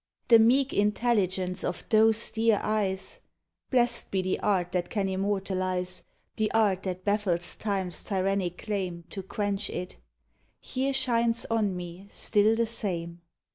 " The meek intelligence of those dear eyes (Blest be the art that can immortalize, — The art that baffles time's tyrannic claim To quench it!) here shines on me still the same.